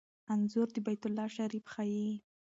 انځور د بیت الله شریف ښيي.